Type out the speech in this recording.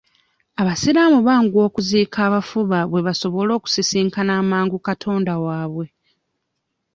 Abasiraamu banguwa okuziika abafu baabwe basobole okusisinkana amangu katonda waabwe.